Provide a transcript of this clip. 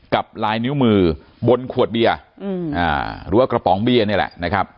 กับลายนิ้วมือบนขวดเบียร์หรือว่ากระป๋องเบียร์นี่แหละนะครับ